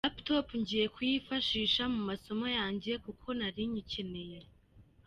Iyi laptop ngiye kuyifashisha mu masomo yanjye kuko nari nyikeneye.